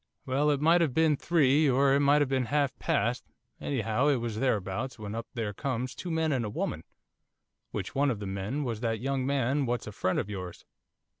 'Well, it might have been three, or it might have been half past, anyhow it was thereabouts, when up there comes two men and a woman, which one of the men was that young man what's a friend of yours.